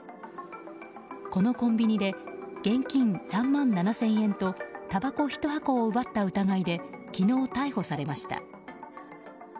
このコンビニで現金３万７０００円とたばこ１箱を奪った疑いで昨日、逮捕されました。